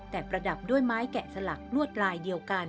แต่ประดับด้วยไม้แกะสลักลวดลายเดียวกัน